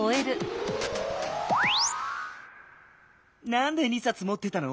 なんで２さつもってたの？